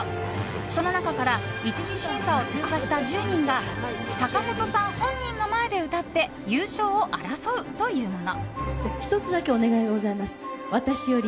その中から１次審査を通過した１０人が坂本さん本人の前で歌って優勝を争うというもの。